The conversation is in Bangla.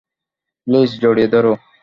প্লিজ, জড়িয়ে ধরো!